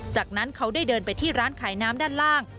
จากนั้นเขาได้เดินไปที่ร้านขายน้ำด้านล่าง